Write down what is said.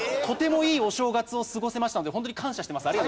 とてもいいお正月を過ごせましたので本当に感謝しています。